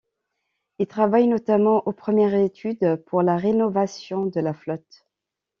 Il travaille notamment aux premières études pour la rénovation de la flotte.